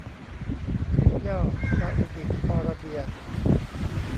ริยัลซาอุดีอาระเบีย